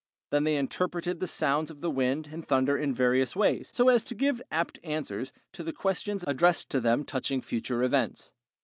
They then interpreted the sounds of the wind and thunder in various ways, so as to give apt answers to the questions addressed to them touching future events.